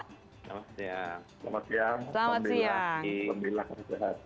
selamat siang selamat siang sembilan sehat